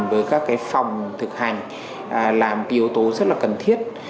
với các cái phòng thực hành là một cái yếu tố rất là cần thiết